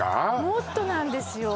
もっとなんですよ